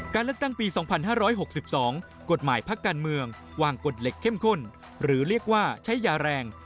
หากภาคการเมืองวางกฎเหล็กเข้มข้นหรือเรียกว่าใช้ยาแรง